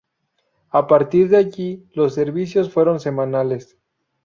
A partir de allí, los servicios fueron semanales.